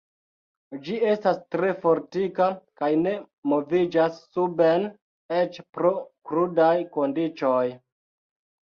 Ĝi estas tre fortika kaj ne moviĝas suben eĉ pro krudaj kondiĉoj.